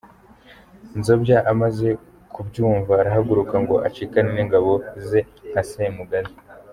Nzobya amaze kubyumva arahaguruka ngo acikane n’ingabo ze nka Semugaza.